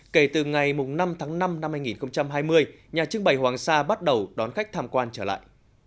kể từ ngày năm tháng năm năm hai nghìn hai mươi nhà trưng bày hoàng sa bắt đầu đón khách tham quan trở lại